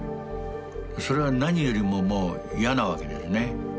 それは何よりももう嫌なわけですね。